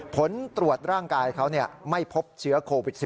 ผลตรวจร่างกายเขาไม่พบเชื้อโควิด๑๙